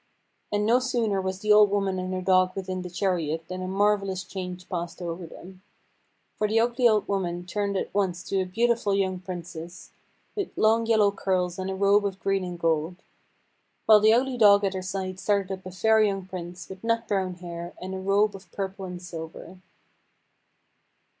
And no sooner was the old woman and her dog within the chariot than a marvellous change passed over them, for the ugly old woman turned at once to a beautiful young Princess, with long yellow curls and a robe of green and gold, while the ugly dog at her side started up a fair young Prince, with nut brown hair, and a robe of purple and silver.